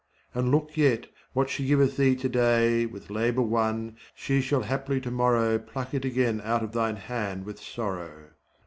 And look yet, what she giveth thee to day With labour won, she shall haply to morrow Pluck it again out of thine hand with sorrow.